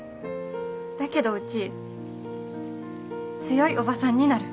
だけどうち強いおばさんになる。